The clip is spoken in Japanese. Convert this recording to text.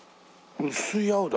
薄い青だ。